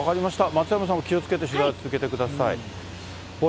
松山さんも気をつけて取材を続けてください。